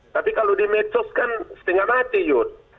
tapi kalau di medsos kan setinggal mati yudh